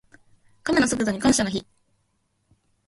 カメの速度に感謝の日。